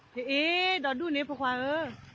พี่เอ๊ดอดดูเนี่ยประความเออ